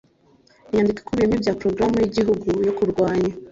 Inyandiko ikubiyemo ibya porogaramu y igihugu yo kurwanya